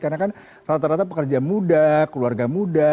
karena kan rata rata pekerja muda keluarga muda